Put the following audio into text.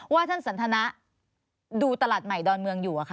ว่าท่านสันธนาดูตลาดใหม่ดอนเมืองอยู่หรือคะ